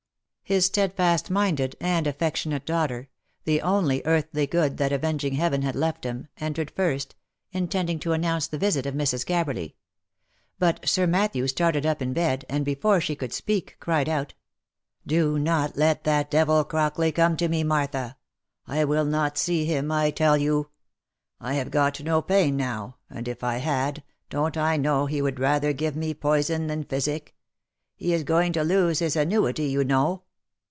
His steadfast minded and affectionate daughter — the only earthly good that avenging Heaven had left him — entered first, intending to announce the visit of Mrs. Gabberly; but Sir Matthew started up in bed, and before she could speak, cried out, " Do not let that devil Crockley come to me, Martha ! I will not see him, I tell you. I have got no pain now; and if I had, don't I know he would rather give me poison than physic ? He is going to lose his annuity, you know."